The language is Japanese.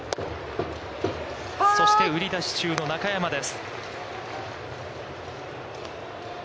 そして、売り出し中の中山です。